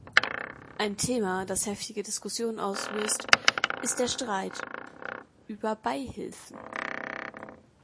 Ein Thema, das heftige Diskussionen auslöst, ist der Streit über Beihilfen.